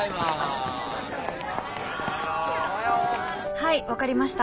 はい分かりました。